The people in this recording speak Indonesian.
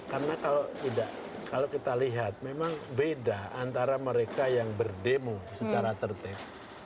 karena kalau tidak kalau kita lihat memang beda antara mereka yang berdemo secara tertib